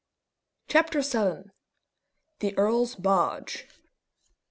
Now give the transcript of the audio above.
CHAPTER VII. THE EARL'S BARGE.